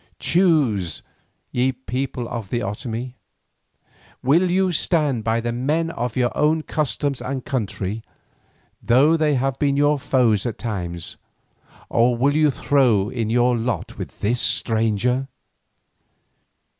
Choose, ye people of the Otomie. Will you stand by the men of your own customs and country, though they have been your foes at times, or will you throw in your lot with the stranger?